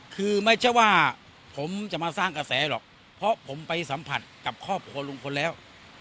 คือไม่ใช่ว่าผมจะมาสร้างกระแสหรอกเพราะผมไปสัมผัสกับครอบครัวลุงพลแล้ว